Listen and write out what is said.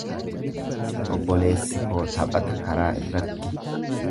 Obboleessi koo taphata karaa irratti.